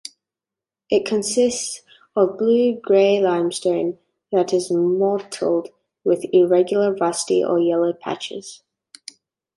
It consists of blue-gray limestone that is mottled with irregular rusty or yellow patches.